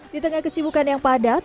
di tengah kesibukan yang padat